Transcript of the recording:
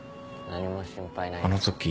何も心配ないです